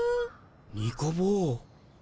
ニコ坊。